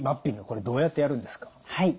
これどうやってやるんですか？